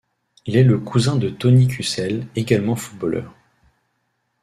Il est le cousin de Tonnie Cusell, également footballeur.